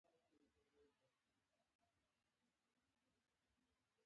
دا تسلسل زموږ فکري نظام جوړوي.